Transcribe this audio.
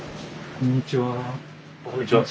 こんにちは。